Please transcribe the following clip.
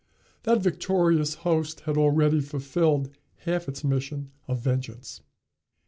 That victorious host had already fulfilled half its mission of vengeance.